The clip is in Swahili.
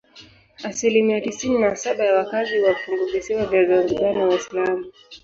Asilimia tisini na saba ya wakazi wa funguvisiwa vya Zanzibar ni Waislamu.